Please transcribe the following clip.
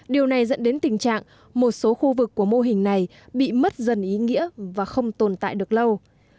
điều này dẫn đến tình trạng một số khu vực của mô hình này bị mất dần ý nghĩa và không tồn tại được lâu